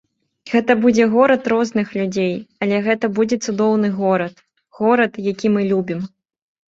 Гэта будзе горад розных людзей, але гэта будзе цудоўны горад, горад, які мы любім.